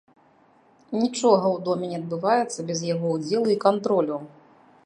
Нічога ў доме не адбываецца без яго ўдзелу і кантролю.